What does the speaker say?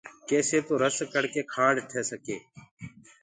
تآکي رس ڪڙ ڪي کآنڊ ٺي سڪي۔